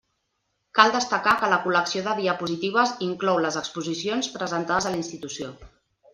Cal destacar que la col·lecció de diapositives inclou les exposicions presentades a la institució.